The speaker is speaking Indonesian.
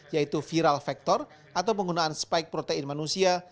yaitu viral factor atau penggunaan spike protein manusia